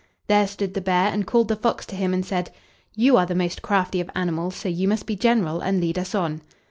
There stood the bear and called the fox to him, and said: "You are the most crafty of animals, so you must be general, and lead us on."